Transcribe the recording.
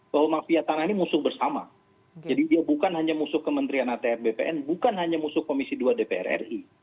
bahwa mafia tanah ini musuh bersama jadi dia bukan hanya musuh kementerian atf bpn bukan hanya musuh komisi dua dpr ri